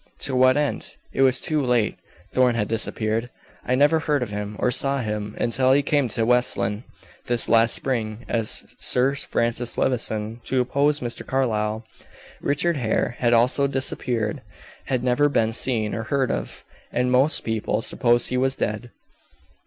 "To what end? It was too late. Thorn had disappeared. I never heard of him, or saw him, until he came to West Lynne this last spring, as Sir Francis Levison, to oppose Mr. Carlyle. Richard Hare had also disappeared had never been seen or heard of, and most people supposed he was dead.